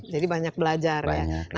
jadi banyak belajar ya